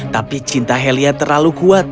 tapi cinta helia terlalu kuat